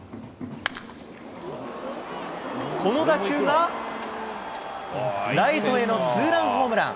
この打球が、ライトへのツーランホームラン。